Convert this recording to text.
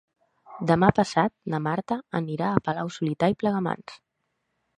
Demà passat na Marta anirà a Palau-solità i Plegamans.